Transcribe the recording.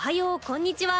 こんにちは。